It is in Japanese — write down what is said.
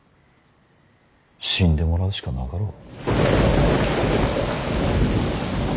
死んでもらうしかなかろう。